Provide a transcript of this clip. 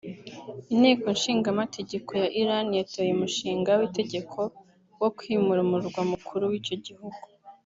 Inteko ishingamategeko ya Iran yatoye umushinga w’itegeko wo kwimura umurwa mukuru w’icyo gihugu